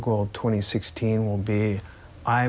ในประเทศปีนี้